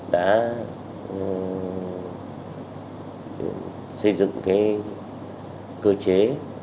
đã xây dựng cơ chế